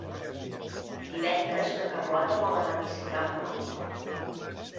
Divendres na Carlota vol anar a visitar mon oncle.